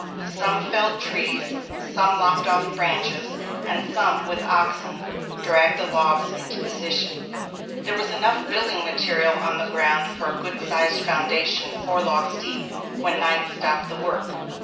Some felled trees, some lopped off the branches, and some, with oxen, dragged the logs into position. There was enough building material on the ground for a good sized foundation four logs deep, when night stopped the work.